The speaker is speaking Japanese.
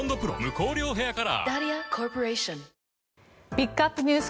ピックアップＮＥＷＳ